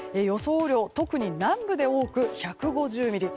雨量、特に南部で多く１５０ミリ。